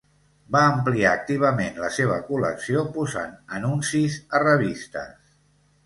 Va ampliar activament la seva col·lecció posant anuncis a revistes.